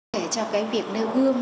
để cho cái việc nêu gương